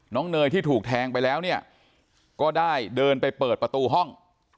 เนยที่ถูกแทงไปแล้วเนี่ยก็ได้เดินไปเปิดประตูห้อง